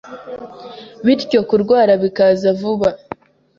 bityo kurwara bikaza vuba.